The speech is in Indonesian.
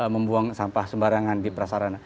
membuang sampah sembarangan di prasarana